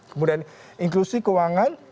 kemudian inklusi keuangan